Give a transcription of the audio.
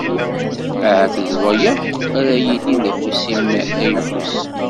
Ahat d wa akk ara yillin d afus-im ayfus.